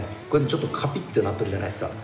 ちょっとカピッてなってるじゃないですか。